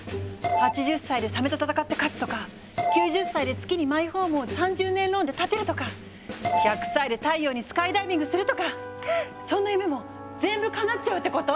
８０歳でサメと戦って勝つとか９０歳で月にマイホームを３０年ローンで建てるとか１００歳で太陽にスカイダイビングするとかそんな夢も全部かなっちゃうってこと？